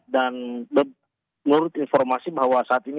dan menurut informasi bahwa saat ini